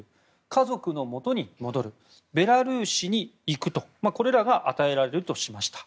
家族のもとに戻るベラルーシに行くとこれらが与えられるとしました。